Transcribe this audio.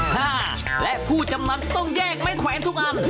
ห้าและผู้จำนำต้องแยกไม้แขวนทุกอัน